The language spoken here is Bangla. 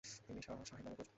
তিনি শাহ সাহেব নামেও পরিচিত।